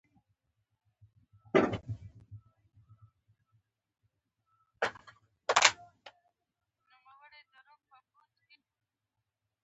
غواوې د کونډو پر کوڅه د څښتنانو کور ته ورسپارل کېدې.